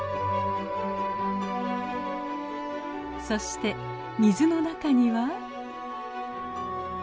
そして水の中には。